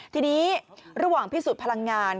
ทีนี้ระหว่างพิสูจน์พลังงาน